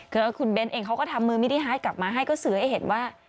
คือคุณเบ้นเองเขาก็ทำมือมินิไฮกลับมาให้ก็สื่อให้เห็นว่า